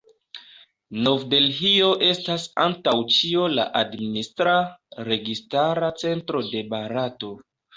Nov-Delhio estas antaŭ ĉio la administra, registara centro de Barato.